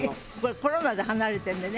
コロナで離れてるのよね。